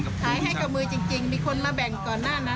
ขายให้กับมือจริงมีคนมาแบ่งก่อนหน้านั้น